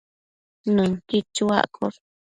Nënquid chuaccosh